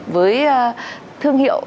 với thương hiệu